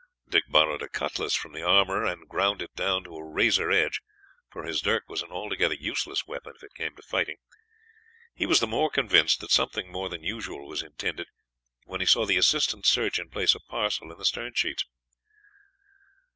Dick borrowed a cutlass from the armorer and ground it down to a razor edge, for his dirk was an altogether useless weapon if it came to fighting. He was the more convinced that something more than usual was intended when he saw the assistant surgeon place a parcel in the stern sheets.